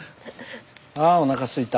あおなかすいた。